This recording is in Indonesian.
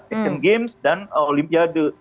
asian games dan olimpiade